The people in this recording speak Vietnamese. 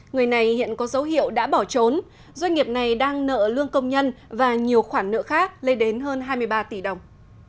người này hiện có dấu hiệu đã bỏ trốn doanh nghiệp này đang nợ lương công nhân và nhiều khoản nợ khác lên đến hơn hai mươi ba tỷ đồng